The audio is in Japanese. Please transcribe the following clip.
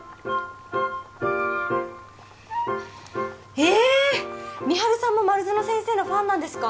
えっ美晴さんも丸園先生のファンなんですか？